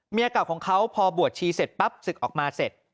เก่าของเขาพอบวชชีเสร็จปั๊บศึกออกมาเสร็จ